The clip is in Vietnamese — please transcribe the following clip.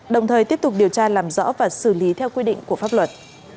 đồng thời tiếp tục điều tra làm rõ và xử lý theo quy định của pháp luật